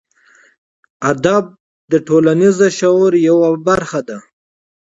ادب د ټولنیز شعور یوه برخه ده.